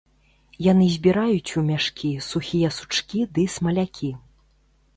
Яны збіраюць у мяшкі сухія сучкі ды смалякі.